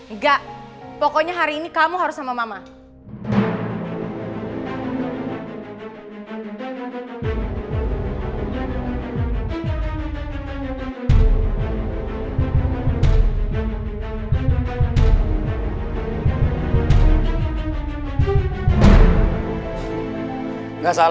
enggak pokoknya hari ini kamu harus sama mama